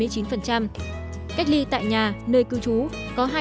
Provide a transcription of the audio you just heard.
cách ly tại nhà nơi cư trú có hai ba mươi năm